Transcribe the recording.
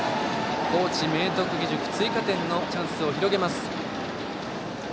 高知・明徳義塾追加点のチャンスを広げます。